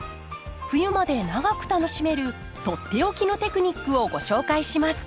冬まで長く楽しめるとっておきのテクニックをご紹介します。